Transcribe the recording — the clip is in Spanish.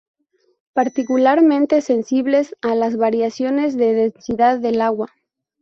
Particularmente sensibles a las variaciones de densidad del agua.